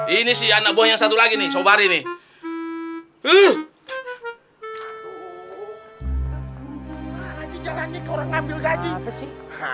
ini si anak buah yang satu lagi nih sobari nih